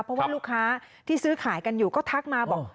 เพราะว่าลูกค้าที่ซื้อขายกันอยู่ก็ทักมาบอก